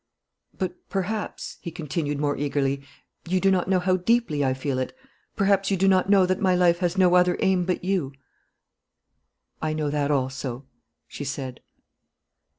"But, perhaps," he continued, more eagerly, "you do not know how deeply I feel it? Perhaps you do not know that my life has no other aim but you?" "I know that also," she said.